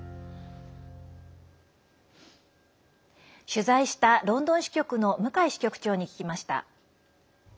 取材したロンドン支局の向井支局長に聞きました。